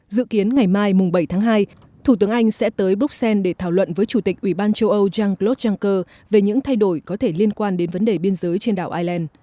dự kiến ngày mai bảy tháng hai thủ tướng anh sẽ tới bruxelles để thảo luận với chủ tịch ủy ban châu âu jean claude juncker về những thay đổi có thể liên quan đến vấn đề biên giới trên đảo ireland